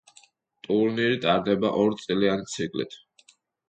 ტურნირი ტარდება ორ წლიანი ციკლით.